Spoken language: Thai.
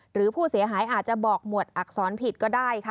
หรือผู้เสียหายอาจจะบอกหมวดอักษรผิดก็ได้ค่ะ